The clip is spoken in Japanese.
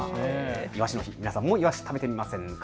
イワシの日、皆さんもイワシ食べてみませんか。